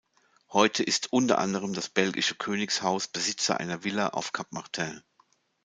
Heute ist unter anderem das belgische Königshaus Besitzer einer Villa auf Cap Martin.